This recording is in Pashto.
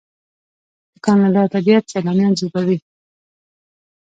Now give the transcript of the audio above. د کاناډا طبیعت سیلانیان جذبوي.